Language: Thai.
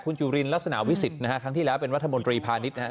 คุณจุลินลักษณะวิสิทธิ์นะฮะครั้งที่แล้วเป็นรัฐมนตรีพาณิชย์นะครับ